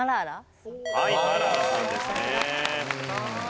はいマララさんですね。